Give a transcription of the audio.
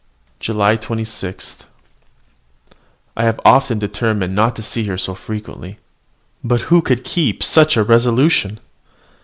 JULY 26. I have often determined not to see her so frequently. But who could keep such a resolution?